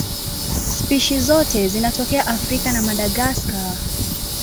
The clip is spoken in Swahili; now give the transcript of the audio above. Spishi zote zinatokea Afrika na Madagaska.